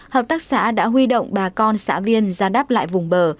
hợp tác xã đã huy động bà con xã viên ra đáp lại vùng bờ